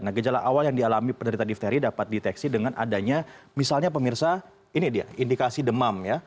nah gejala awal yang dialami penderitaan dipteri dapat diteksi dengan adanya misalnya pemirsa ini dia indikasi demam